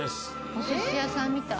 お寿司屋さんみたい。